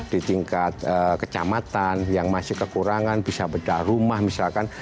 di tingkat kecamatan yang masih kekurangan bisa bedah rumah misalkan